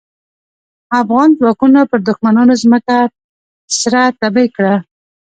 افغان ځواکونو پر دوښمنانو ځمکه سره تبۍ کړه.